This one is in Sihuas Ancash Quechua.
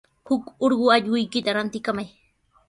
Huk urqu allquykita rantikamay.